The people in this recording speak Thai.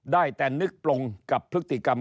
ได้แต่นึกปลงกับพฤติกรรม